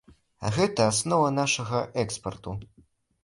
А гэта аснова нашага экспарту.